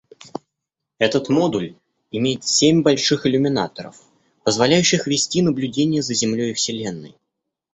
Этот модуль имеет семь больших иллюминаторов, позволяющих вести наблюдение за Землей и Вселенной.